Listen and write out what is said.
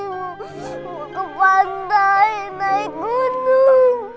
mau ke pantai naik gunung